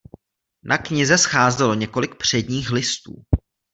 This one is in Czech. Na knize scházelo několik předních listů.